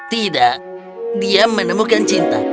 tidak dia menemukan cinta